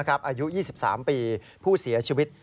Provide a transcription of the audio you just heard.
อายุ๒๓ปีผู้เสียชีวิต